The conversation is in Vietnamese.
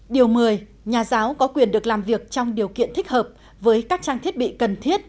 điều một mươi nhà giáo có quyền được làm việc trong điều kiện thích hợp với các trang thiết bị cần thiết